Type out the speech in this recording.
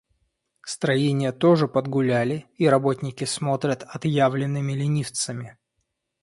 Строения тоже подгуляли, и работники смотрят отъявленными ленивцами.